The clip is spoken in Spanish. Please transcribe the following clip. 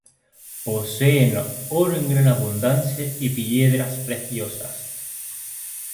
Poseen oro en gran abundancia y piedras preciosas.